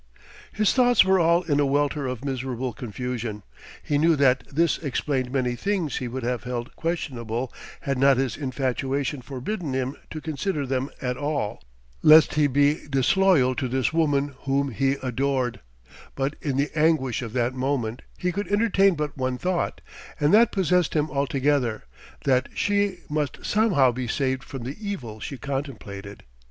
His thoughts were all in a welter of miserable confusion. He knew that this explained many things he would have held questionable had not his infatuation forbidden him to consider them at all, lest he be disloyal to this woman whom he adored; but in the anguish of that moment he could entertain but one thought, and that possessed him altogether that she must somehow be saved from the evil she contemplated....